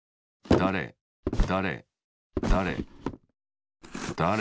だれだれだれだれ